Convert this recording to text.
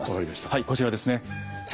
はいこちらですね。